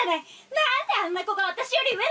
何であんな子が私より上なの！